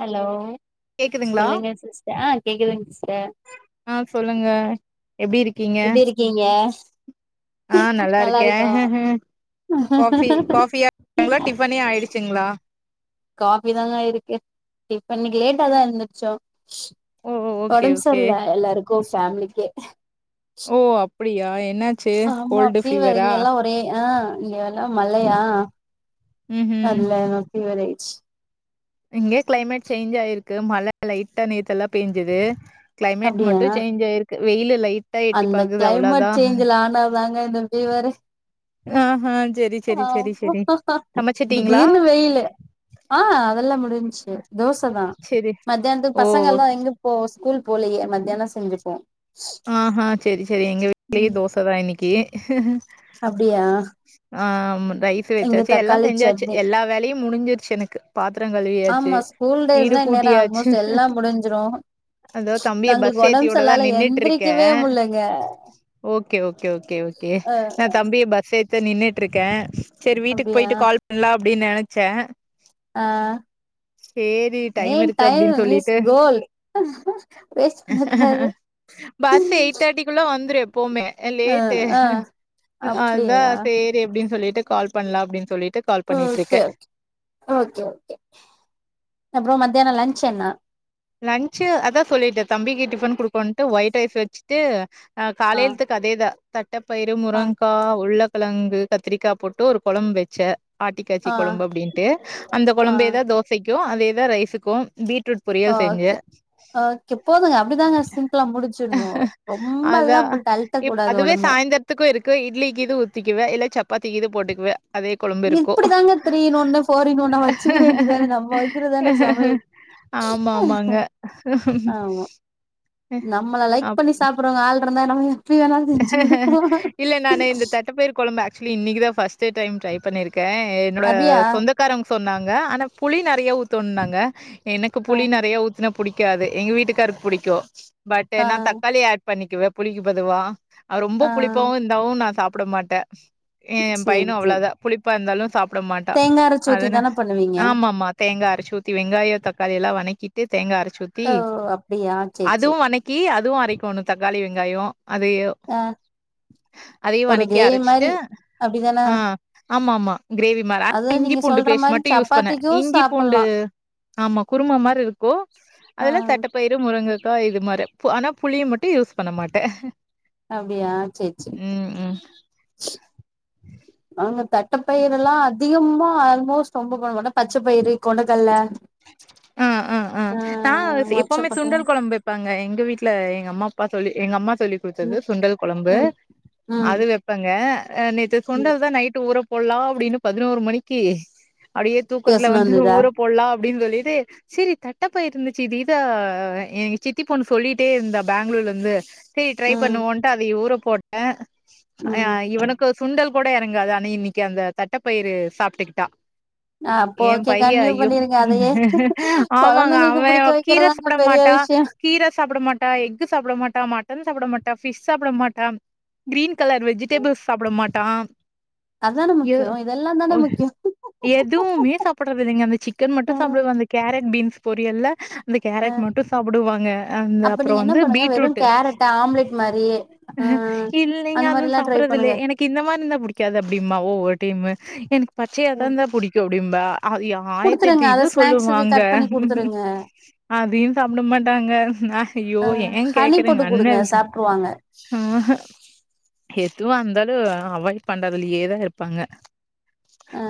Hello கேக்குதுங்களா சொல்லுங்க sister கேக்குதுங் சி ஆ சொல்லுங்க எப்டி இருக்கீங்க எப்டி இருக்கீங்க? ஆ நல்லா நல்லாருக்கே இருக்கோ காஃபி காஃபி [inaudible] டிஃபனே ஆயிடுச்சுங்ளா? காஃபி தாங்க ஆயிருக்கு டிஃப் இன்னக்கி லேட்டா தா எந்துருச்சோ ஓ ஓ ஓகே ஒடம் ஓகே சர்ல எல்லாரு க்கு ஃபேமிலிக்கே புடியா என்னா ஆமா ஃபீவர் இங்க எல்லாம் ஒரே ஆஹ் இங்க எல்லாம் மழையா ம் நல்லா எனக்கு பிவர் இருக்கு இங்கயே கிளைமேட் சேஞ்ச் ஆயிருக்கு மழை லைட்டா நேத்தெல்லாம் பேஞ்சுது கிளைமேட் அப்டியா மட்டும் சேஞ் ஆயிருக்கு வெயிலு லைட் அந்த கிளைமேட் சேஞ்ச்ல ஆனது தாங்க இந்த ஃபீவரே ஆஹ் திடீர்னு வெயில் ஆஹ் அதெல்லாம் முடிஞ்ச்சு தோசை தான் செரி மத்தியானத்துக்கு ஓ பசங்கள் எல்லாம் எங்க போ ஸ்கூல் போலயே மத்தியானம் செஞ்சிப்போம் ஆஹ்ஹ் செரி செரி எங்க வீட்லயும் ம் தோசை தான் இன்னைக்கு ஹ அப்டியா ஆமா ரைஸ் இங்க வச்சாச்சு எல்லாம் தக்காளி செஞ்சாச்சு சட்னி எல்லா வேலையும் முடிஞ்சிருச்சு எனக்கு பாத்திரம் கழுவியாச்சு ஆமா ஸ்கூல் வீடு டேஸ்னா இந்நேரோ கூட்டியாச்சு ஆல்மோஸ்ட் எல்லா முடிஞ்சிரு அதோ தம்பிய பஸ் நாங்களுக்கு ஒடம்பு ஏத்தியுட சரியில்லால தான் நின்ட்டு எந்திரிக்கவே இருக்கேன் முல்லங்க ஓகே ஓகே ஓகே அ நான் தம்பிய பஸ் ஏத்தி நின்னுட்டு இருக்கேன் செரி வீட்டுக்கு போயிட்டு கால் பண்ணலாம் அப்டின்னு நெனைச்சேன் ஆஹ்ன் சேரி என் இருக்கு டைம் அப்டின்னு இஸ் சொல்லிட்டு கோல்ட் வேஸ்ட் பண்ணக்க கூடாது பஸ் எயிட் தேர்டிக்குள்ள வந்துரும் எப்போவுமே ஆ லேட்டு ஆ அப்டியா அதான் சேரி சொல்லிட்டு போய்ட்டு கால் பண்ணலாம் அப்படின்னு சொல்லிட்டு கால் பண்ணிட்டு இருக்கே ஓக்கே ஓக்கே அப்புறம் மத்தியானோம் லன்ச் சென்னா லன்சு அதான் சொல்லிட்டேன் தம்பிக்கு டிஃபன் குடுக்கனும்ட்டு ஒயிட் ரைஸ் வச்சிட்டு ஆஹ் ஆ காலையிலத்துக்கு அதேதான் தட்டப்பயிறு ஆ முருங்கைக்காய் உருளை கிழங்கு கத்திரிக்கா போட்டு ஒரு குழம்பு வச்சேன் ஆட்டிக்காச்சி ஆ குழம்பு அப்படின்ட்டு அந்த ஆ குழம்பேதான் தோசைக்கு அதேதா ரைஸுக்கு பீட்ரூட் பொரி ஓகே ஓகே போதுங்க அப்டிதாங்க சிம்பிளா முடிச்சிட்ணு ரொம்பல்லா அதா போட்டு அழ்ட்ட கூடாது அதுவே ஒடம்ப சாய்ந்தரத்துக்கு இருக்கு இட்லிக்கு இது ஊத்திக்குவே இல்ல சப்பாத்தி திக்கு போட்டுக்குவே அதே கொழம்பு இருக்கு இப்டிதாங்க திரீன் ஒன்னு ஃபோரின் ஒன்னு வச்சுக்க வேண்டியதானே நம்ம வைக்குறதானே சமயல் ஆமா ஆமாங்க ஆமா நம்மள அப் லைக் பண்ணி சாப்பிடுறவங்க ஆள் இருந்தா [unintelligible] செஞ்சு குடுக்கலா இல்ல நானு இந்த தட்டப்பயிர் கொழம்பு ஆக்சுவலி இன்னைக்கு தா பர்ஸ்ட்டு டைம் ட்ரை பண்ணியிருக்கே இருக்கே என்னோட அப்டியா சொந்தக்காரங் சொன்னாங்க ஆனா புளி நெறய ஊத்துவுன்னாங்க எனக்கு ஆ புளி நெறய என்ன புடிக்காது எங்க வீட்டுக்காருக்கு புடிக்கு பட் ஆ நா தக்காளி ஆட் பண்ணிக்குவே புளிக்கு பதுவா அது ரொம்போ ஆ புளிப்பாவு இருந்தாவு நா சாப்ப உடமாட்டே ஏ சேரி பையனு அவ்ளோ சேரி தா புளிப் புளிப்பா இருந்தாலு சாப் சாப்ட மாட்டா தேங்கா அரச்சு ஊத்தி அதன தான பண்ணுவீங்க ஆமா மா தேங்கா அரச்சு ஊத்தி வெங்காய தக்காளி எல்லா வனக்கி தேங்கா அரச்சி ஊத்தி ஓ அப்டியா சேரி அதுவு சேரி வனக்கி அது அதுவு அரைக்கோணு தக்காளி வெங்காயோ அது ஆ அதையு ஒரு வணக்கி கிரேவி அரச்சிட்டு மாரி அப்டிதான ஆ ஆமா ஆமா கிரேவி மாரி அப்ப அதாவது இஞ்சி நீங்க பூண்டு சொல்ற பேஸ்ட் மாரி மட்டு யூஸ் பண்ணு சப்பாத்திக்கு இஞ்சி பூண்டு சாப்புட்லா ஆமா குருமா மாரி இருக்கு ஆ அதுல தட்டப்பயிரு முருங்க இது மாரி ஆனா புளிய மட்டு யூஸ் பண்ண மாட்டே அப்டியா சேரி சேரி ம் ம் அவுங்க த பட்டப்பயிரெல்லா அதிகமா ஆல்மோஸ்ட் ரொம்போ போடமாட்டே பச்சபயிறு கொண்டக்கல்ல ஆ ஆ ஆ நா எப்பவுமே மொச்சக்கொட்ட சுண்டல் கொழம்பு வெப்பாங்க எங்க வீட்ல எங்க அம்மா அப்பா சொல்லி எங்க அம்மா எங்க அம்மா சொல்லி் குடுத்தது ம் சுண்டல் கொழம்பு ம் ம் அது வெப்பங்க நேத்து ம் சுண்டல் தா நைட் ஊற போலா அப்டின்னு பதினோரு மணிக்கு அப்டியே தூக்கத்துல யோசன வந்து வந்ததா ஊற போல்லா அப்டின் சொல்லிட்டு செரி தட்டப்பயிறு இருந்துச்சு இது இதா எ சித்தி பொண்ணு சொல்லிட்டே இருந்தா பேங்ளூர்லந்து சே ட்ரை ம் பண்ணுவோன்ட்டு அதை ஊற போட் ட ஆ ம் இவனுக்கு சுண்டல் கூட எறங்காது ஆனா இன்னக்கி அந்த தட்டப் பயிறு சாப்டுக்கிட்டா ஆ அப்ப ஓகே கண்டினியூ பண்ணிரு ஆமாங்க அவ புடிக்க கீர வைக்கிறதாங்க சாப்ட பெரிய மாட்டா விஷயோ கீர சாப்புட மாட்டா எக்கு சாப்புட மாட்டா மட்டன் சாப்புட மாட்டா ஃபிஷ் சாப்புட மாட்டா கிரீன் கலர் வெஜிடபிள்ஸ் சாப்புட மாட் டா அதான எ முக்கியோ இதெல்லா தான அ முக்கியோ எதுவுமே சாப்புட்றதில்லங்க அந்த சிக் கன் மட்டு ஆ சாப்டுவா அந்த கேர ட் பீன்ஸ் பொரியல்ல அந்த ஆ கேரட் மட்டு சாப்புடுவாங்க அந்த அப்ப அப்றொ நீங்க என்ன வந்து பண்ணுங்க வெறு பீட்ரூட்டு கேரட் ஆம்லெட் மாரி ஆ இல்லெங்க அந்த அதுவு மாரிலா ட்ரை சாப்புறதில்ல பண்ணுங்க எனக்கு இந்த மார்ருந்தா புடிக்காது அப்டிம்பா ஒவ்வொரு டைமு எனக்கு பச்சையாதா இந்தா புடிக்கு அப்டிம்பா அதி ஆயிர தெட்டு குடுத்துருங்க அத இது ஸ்நாக்ஸுக்கு சொல்லுவாங்க கட் பண்ணி குடுத்துருங்க அதையு சாப்ட மாட்டாங்க ஐயோ ஏ ஹனி கேக்குறீங்க போட்டு அன் குடுங்க எல்தி சாப்ட்ருவாங்க ஆஹ எதுவாந்தா அவாய்ட் பண்றதுலயே தா இருப்பாங்க ஆ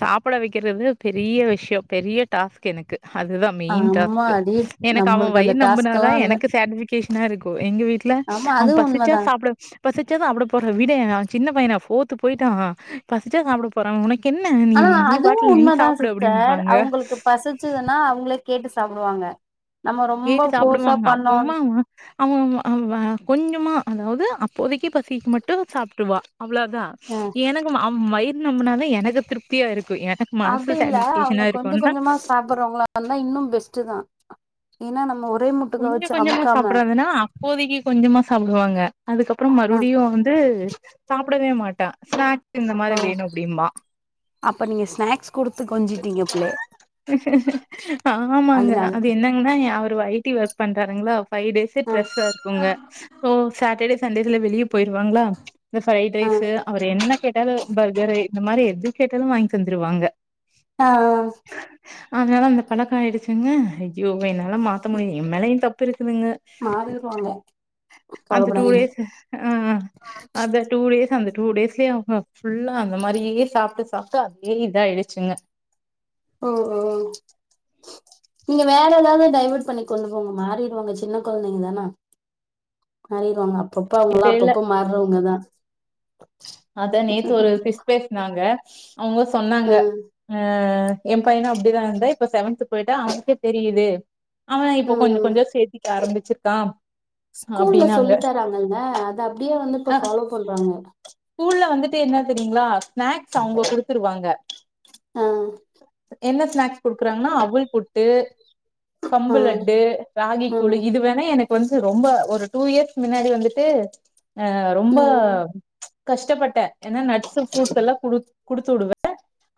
சாப்புட வக் கிறது பெரிய விஷ்யொ பெரிய டாஸ்க் எனக்கு அதுதா மெயின் டாஸ்க்கு ஆம்மாடி எனக்கு அவ நம்மளுக்கு அந்த வயிறு நம்புனாதா டாஸ்க்கெல்லா இல்ல எனக்கு சேட்டிஸ்ஃபி கேஷனா இருக்கு எங்க வீட்ல ஆமா அவ அதுவு பசிச்சா உண்மதா சாப்ட பசிச்சா சாப்ட போறா விடே அவ சின்ன பையன [unintelligible] போயிட்டா பசுச்சா சாப்புட போறா உனக் கென்ன ஆனா நீம் நீ பாட் அதுவு உண்மதா சிஸ்டர் அவுங்களுக்கு பசிச்சதுன்னா அவுங்ளே கேட்டு சாப்டுவாங்க நம்ம ரொம்ப கேட்டு ஃபோர்ஸா சாப்புடுவாங்க பண்ணோன் அப்பவ்மா அவ அவ அவ கொஞ்சமா அதாவ் து அப்போதைக்கு பசிக்கு மட்டு சாப்புடுவா அவ்வளோதா அ எனக்கு ம அம் ம் வயிர் நம்புனாதா எனக்கு திருப்தியா இருக் அப்டி இல்ல அவங்க கொஞ்ச கொஞ்சமா சாப்புர்றவங்களா இந்தா இன்னும் பெஸ்டுதா ஏன்னா நம்ம ஒர் கொஞ்ச கொஞ்சமா சாப்புடுறதுன்னா அப்போதைக்கு கொஞ்சமா சாப்புடுவாங்க அதுக்கப்புறோ அ மறுபடியு வந்து சாப் ப்படவே மாட்டா ஸ்நேக் இந்த மாரி ஓ வேணு அப்டிம்பா அப்ப நீங்க ஸ்நாக்ஸ் குடுத்து கொஞ்சிட்டீங்க புள்ளைய ஆமாங்க அதனால அது தா என்னங்கன்னா [unintelligible] ட்டு வாய் தி ஒர்க் பண்றாருங்களா ஃபைவ் டேஸ்ஸு அ டிரெஸ்ஸா இருக்குங்க ஓ சாட்டடே சண்டேஸ்ல வெளியப் போயிருவாங்களா இந்த ஃரைட் ரைஸ்ஸு அ அவரு என்ன கேட் எதாவது பர்கரு இந்த மாரி எது கேட்டாலு வாங்கி தந்துருவாங்க ஆ அதனால அந்த பழக்கோ ஆயிடுச்சுங்க ஐயோ என்னால மா த்த முடியு எம் மேலையு தப்பு இருக் துனுங்க மாறிருவாங்க அந்த டூ கவலப்படாதீங்க டேஸ்ஸுஅ அந்த டூ டேஸ்ஸு அந்த டூ டேஸ்லயே அவங்க ஃபுல்லா அந்த மாரியே சாப்டு சாப்டு அதே இதாயிடுச்சுங்க ஓ ஓ நீங்க வேற எதாவது டைவட் பண்ணி கொண்டு போங்க மாறிருவாங்க சின்ன கொழந்தைங்கதான மாறிருவாங்க அப்பப்ப அவங்கலா அப்பப்ப மார்றவங்கதா அதா நேத்து ஒரு சிஸ் பேஸ்னாங்க அவங்க அ சொன்னாங்க ஆ எம் பையனு அப்டிதா இருந்தா இப்ப செவன்த்து போயிட்டா அவனுக்கே தெரியுது அவ இப்போ அ கொஞ்சோ கொஞ்சோ சேத்திக்க ஆரம்பிச் ச்சுட்டாம் ஸ்கூல்லல சொல்லி தராங்கங்க அத அப்டியே வந்து இப்ப அ ஃபாலோ பண்றாங்க ஸ்கூல்ல வந்துட்டு என்ன தெரியுங்களா ஸ்நேக்ஸ் அவங்க குடுத்துருவாங்க ஆ என்ன ஸ்நேக்ஸ் குடுக்குறாங்கன்னா அவுள் புட்டு அ கம்பு லட்டு, ராகி கூழு ம் இது வேண்ணா என க்கு வந்து ரொம்ப ஒரு டூ இயர்ஸ் முன்னாடி வந்துட்டு ஆ ரொம்ப ம் கஷ்டப்பட்டே ஏன்னா நட்ஸு, ஃப்ரூட்ஸு எல்லாம் குடு குடுத்து விடுவே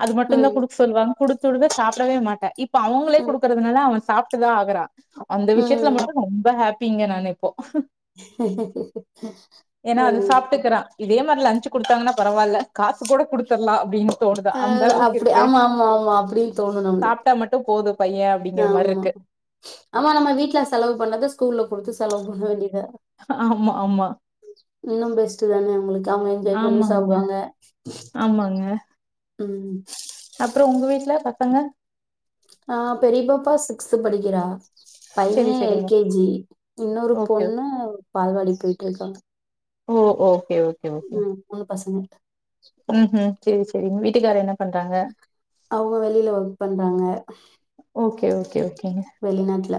அது மட்டுந்தா ம் குடுக்க சொல்வாங் குடுத்து விடுவே சாப்படவே மாட்டா இ ப்ப அவங்களே ம் குடுக்கறதுனால அவ சாப்ட்டுதா ஆகறா அந்த விஷயத்துல ம் மட்டு நா ரொம்ப ஹா ப்பிங்க நானு இப்போ ம் ஏன்னா அது சாப்ட்டுக்கிறா இதே ஹும் மாரி லன்ச்சு குடுத்தாங்கன்னா பரவால்ல காசு கூட குடுத்தர்லா அப்டினு ஆ அப்டி ஆமா ஆமா ஆமா அப்டின்னு தோணு நமக்கு. சாப்ட்டா மட்டு போது பைய அப்டிங்கிற மாரி ஆமா இருக்கு ஆமா நம்ம வீட்ல செலவு பண்ணத ஸ்கூல்ல குடுத்து செலவு பண்ண வேண்டிய துதா ஆமா ஆமா இன்னு பெஸ்ட் தான நம்மளுக்கு அவங்க என்ஜாய் பண்ணி ஆமாங்க சாப்டுவாங்க ஆமாங்க ம் அப்றோ உங்க வீட்ல பசங்க ஆ பெரிய பாப்பா சிக்ஸ்த்து படிக்கிறா பைய செரி எல் செரிங்க கே ஜி இன்னொரு ஓகே பொண்ணு பால்வாடி போயிட்ருக்காங்க. ஓ ஓகே ஓ ம் மூணு பசங்க ம் ஹும் சேரி சேரிங்க வீட் டுக்கார்ரு என்ன பண்றாங்க? அவுங்க வெளில ஒர்க் பண்றாங்க. கே ஓகே ஓகே என்ன வெளிநாட்டுல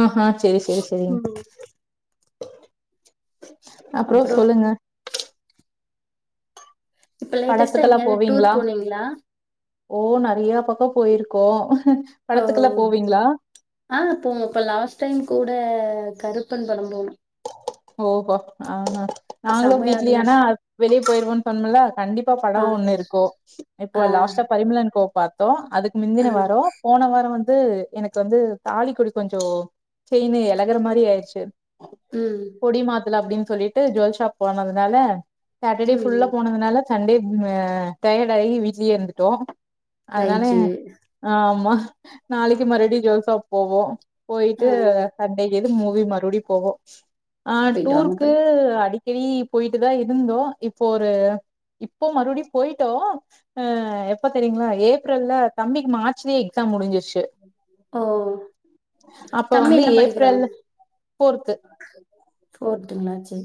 ஆ ஹா செரி செரி செரிங் ம் அப்றோ அப்புறம் சொல்லுங்க இப்ப லேட்டஸ்ட்டா படத்துக்கெல்லா எங்கேயாவது டூர் போவீங்களா? போனீங்ளா ஓ நெறய பக்கோ போயிருக்கோ ஓ ஆ போங்கப்ப ல அவ டைம் கூட கருப்பன் படோ போனோ ஓகோ ஆஹ நாங்களு செமையா வீக்ளி ஆனா இருந்துச்சு வெளிய போயிருவன்னு பன்னல கண்டிப்பா படோ ஆ ஒன்னு இருக்கு ஆ இப்போ லாஸ்ட்டா பரிமளா அன் கோ பாத்தோ அதுக்கு ஆ முந்தின வாரோ போன வாரோ வந்து வந்து எனக்கு வந்து தாலிக்கொடி கொஞ்சோ செயின் எழகுற மாரி ஆயிர்ச்சு ம் கொடி மாத்தாலா அப்டின் சொல்லிட்டு ஜொல்ஷாப் போணது னால சாட்டர்டே ம் ஃபுல்லா போனதுனால சண்டே டயட் ஆகி வீட்லேயே இருந்துட்டோ அதனால ரைட்டு ஆமா நாளைக்கு மருபடி ஜோசப் போவோ ஆ போயிட்டு சண்டே எது மூவி மறுபடி போவோ ஆ போயிட்டு வாங்க டூர்க்கு போயிட்டு வாங்க. அடி டேலி போயிட்டு தா இருந்தோ இப்போ ஒரு இப்போ மறுபடியு போயிட்டோ அ எப்ப தெரியுங்ளா ஏப்ரல்ல தம்பிக்கு மார்ச்லே எக்ஸாம் முடிஞ்சு ஓ அப்ப தம்பி வந்து என்ன ஏப்ரல் ஃபோர்த்து போட்டுங்ளா சரி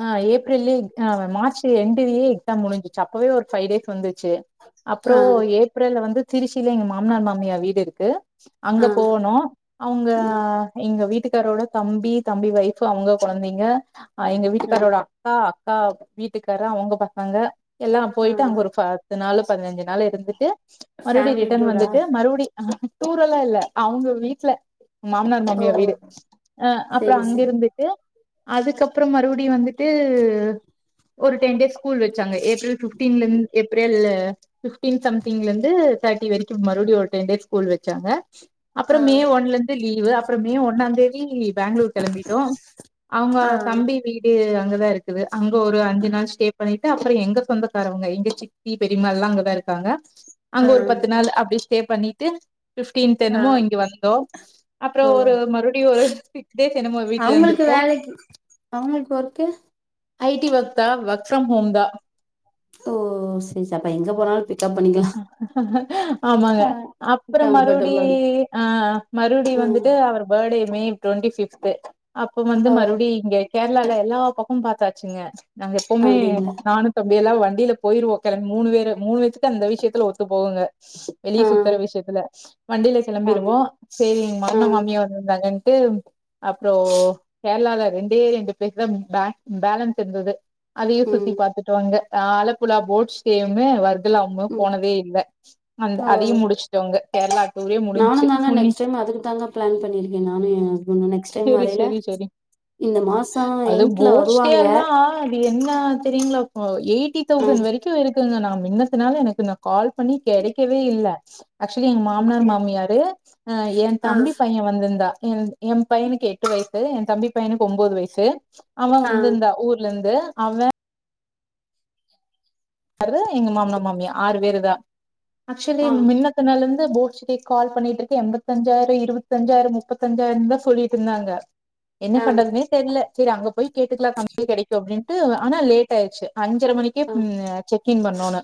ஆ ஏப்ரலி ஆ மார்ச் என்டுலயே எக்ஸாம் முடிஞ்சு அப்பவே ஒரு பைவ் டேஸ் வந்து அப்றோ ஆ ஏப்ரல்ல வந்து திருச்சியில எங்க மாமனார் மாமியார் வீடு இருக்கு அங்க ஆ போவனு அவுங்க ம் எங்க வீட்டு வீட்டுக்காரோட தம்பி தம்பி வய்ஃபு அவுங்க கொழந்தைங்க ஆ காரோட அக்கா கா வீட்டுக்காரு அவுங்க பசங்க எல்லா ஆ போயிட்டு அங்க ஒரு ப பத்து நாலு பதினஞ்சு நாள் இருந்துட்டு மறுபடி ஃபேமிலி ரிட்டன் டூரா வந்துட்டு மறுபடி டூரல்லா இல்ல அவுங்க வீட்ல மாமனார் ஓ மாமியார் வீடு அ அப்புறம் செரி அங்க செரி இருந்துட்டு அதுக்கப்றம் மறு படி வந்துட்டு ஒரு டென் டேஸ் ஸ்கூல் வச்சாங்க ஏ பிப்டீன் லந்து ஏப்ரல்ல பிப்டீன் சம்திங்ல இருந்து தேட்டி வரிக்கும் மறுடி ஒரு டென் டேஸ் ஸ்கூல் வச்சாங்க அப்ற ஆ மே ஒன்ல இருந்து லீவு அப்ற மே ஒன்னாந்தேதி தி பெங்களூர் கெளம்பிட்டோம் அவுங்க ஆ தம்பி வீட் அங்கதான் இருக்குது அங்க ஒரு அஞ்சு நாள் ஸ்டே பண்ணிட்டு அப்ற எங்க சொந்தக்காரவங்க எங்க சித்தி பெரியம்மா எல்லா அங்கதான் இருக்காங்க அங்க ஆ ஒரு பத்து நாள் அப்டி ஸ்டே பண்ணிட்டு பிப்டீன்த் ஆ என்னமோ இங்க வந்தோம் அப்ற ஓ ஒரு மறுடியும் ஒரு சிக்ஸ் டேஸ் என்னமோ வீட்ல இருந்திருப்போம் ஓகே ஐ டி ஒக் தா ஒக் ஃபிரம் ஹோம்தா ஓ சரி அப்ப எங்க போனாலும் பி ஆமாங்க ஆ அப்ற மறுவுடி கம்ஃபர்டபுளா இருக்கு ஆ மறுவுடி ஆ வந்துட்டு அவர் பேடே மே டுவெண்டி பிப்து அப்ப வந்து ஓ மறுவுடி இங்கே கேரளால எல்லா பக்கமும் பாத்தாச்சுங்க நாங்க எப்வுமே அப்டிங்களா நானுத்த அப்டியல்லா வண்டில போயிருவோம் கொளம்பி மூணு பேரு மூணு பேத்துக் த இந்த விஷயத்துல ஒத்து போகுங்க வெளிய ஆ சுத்தற விஷயத்துல வண்டில அப்டி கெளம்பிருவோம் சேரி எங்க ஆ மாமனார் மாமியார் வந்திருந்தாங்க டு அப்ற கேரளால ரெண்டே ரெண்டு பிளேஸ் தான் பே பேலன்ஸ் இருந்தது அதயும் சுத்தி ம் பாத்துடோம் அங்க ஆ ஆழப்புலா போட் ஸ்டே ஒன்னு வர் இதுல அவுங்களு ம் போனதே இல்ல அந்த ஓ அதயு முடிச்சுட்டாங்க கேரளா டூரே நானு முடிஞ்ச்சு தாங்க உன்னி நெக்ஸ்ட் டைம் அதுக்கு தாங்க பிளான் பண்ணிருக்கே நானு ஹஸ்பண்டு நெக்ஸ்ட் டைம் செரி வரையில செரி செரி இந்த மாசோ அது எண்ட்ல போட்ஸ்டே வருவாங்க அல்ல அது என்ன [unintelligible] ஏயிட்டி ஆ தௌசண்ட் வரைக்கு இருக்குங்க நாம என்ன சொன்னாலு ஒனக்கு நா கால் பண்ணி கெடைக்கவே இல்ல ஆக்சுவலி எங்க மாமனார் அப்டியா மாமியாரு அ எ ஆ தம்பி பைய வந்திருந்தா ம் எ பையனுக்கு எட்டு வயசு எ தம்பி பையனுக்கு ஒம்போது வயசு அவன் ஆ வந்திருந்தா ஊர்ல இருந்து அதா எங்க மாமனார் மாமியா ஆறு பேருதா ஆக்சுவலி ஆ மின்னத்தினால இருந்து போ கால் பண்ணிட்டு இருக்கே எண்பத்தஞ்சாயிர இருபத்தஞ்சாயிர முப்பத்தஞ்சாயிர தா சொல்லிட்டு இருந்தாங்க என்ன ஆ பண்றதுன்னே தெரியல சரி அங்க போய் கேட்டுக்லா கம்பமி கெடைக்கு அப்டின்னு இது ஆனா லேட் ஆயிடுச்சு அஞ்சர மணிக்கே ஆ உ பண்ணோன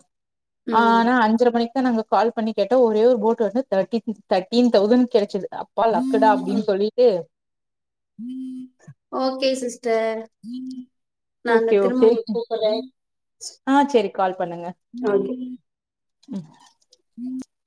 ம் ஆனா அஞ்சர நாங்க கால் பண்ணி கேட்டோ ஒரே ஒரு போட் வந்து த தட்டின் தௌசண்ட் கெடச்சது அப்பா லக்குடா அப்டின்னு சொல்லிட்டு ட்ட நா அந்த ஓகே திரும்ப ஓகே ஒங்கள கூப்புறே ஆ சரி ஓகே உம் நீ